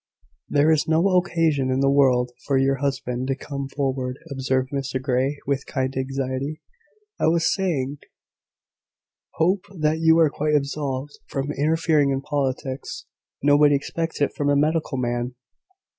"There is no occasion in the world for your husband to come forward," observed Mr Grey, with kind anxiety. "I was saying, Hope, that you are quite absolved from interfering in politics. Nobody expects it from a medical man.